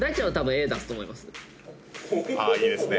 あいいですね。